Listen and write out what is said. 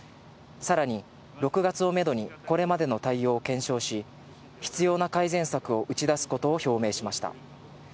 さらに、６月をメドに、これまでの対応を検証し、必要な改善策を打ち出すことを表明しました。